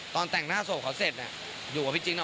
ตอนแต่งหน้าโสดเขาเสร็จอยู่กับพี่จิ๊กนะ